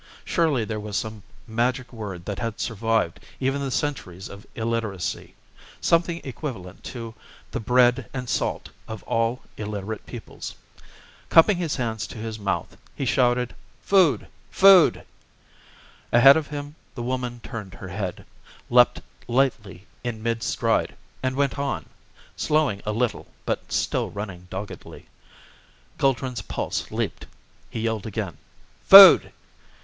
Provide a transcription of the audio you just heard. Surely there was some magic word that had survived even the centuries of illiteracy. Something equivalent to the "bread and salt" of all illiterate peoples. Cupping his hands to his mouth, he shouted, "Food! food!" Ahead of him the woman turned her head, leaped lightly in mid stride, and went on; slowing a little but still running doggedly. Guldran's pulse leaped. He yelled again, "Food!"